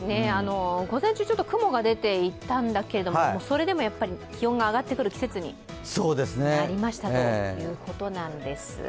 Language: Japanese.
午前中、雲が出ていたんだけれどもそれでも気温が上がってくる季節になったということなんです。